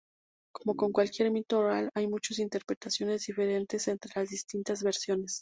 Como con cualquier mito oral hay muchas interpretaciones diferentes entre las distintas versiones.